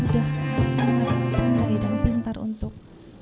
dan pintar untuk